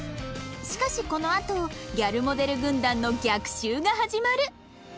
しかしこのあとギャルモデル軍団の逆襲が始まる